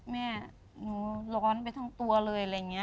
แม่หนูร้อนไปทั้งตัวเลยอะไรอย่างนี้